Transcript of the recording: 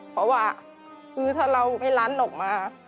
เพราะว่าคือถ้าเราไม่ลั้นออกมา